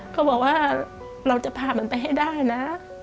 เขาบอกว่าเราจะพามันไปให้ได้นะ